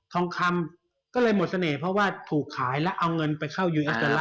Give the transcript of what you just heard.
ทองคำก็เลยหมดเสน่ห์เพราะว่าถูกขายแล้วเอาเงินไปเข้ายูเอ็น